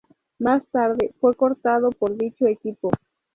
Más tarde, fue cortado por dicho equipo.